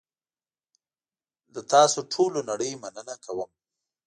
له تاسوټولونړۍ مننه کوم .